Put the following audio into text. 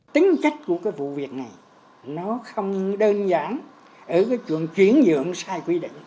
tính trách của cái vụ việc này nó không đơn giản ở cái trường chuyển dưỡng sai quy định